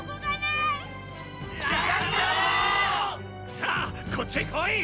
さあこっちへ来い！